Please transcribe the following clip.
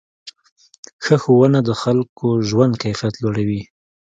ښه ښوونه د خلکو ژوند کیفیت لوړوي.